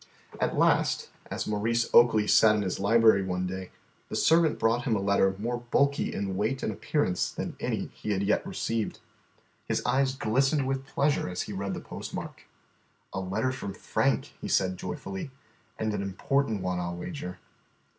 At last, as Maurice Oakley sat in his library one day, the servant brought him a letter more bulky in weight and appearance than any he had yet received. His eyes glistened with pleasure as he read the postmark. "A letter from Frank," he said joyfully, "and an important one, I 'll wager."